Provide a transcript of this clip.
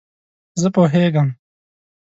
زه پوهیږم